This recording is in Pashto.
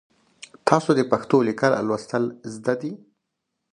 تاسو د پښتو لیکل او لوستل زده دي؟